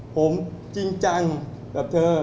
ผมจริงจังกับเธอ